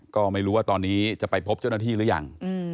ก็ไม่รู้ว่าตอนนี้จะไปพบเจ้าหน้าที่หรือยัง